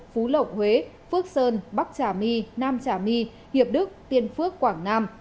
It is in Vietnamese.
phú lộc huế phước sơn bắc trà my nam trà my hiệp đức tiên phước quảng nam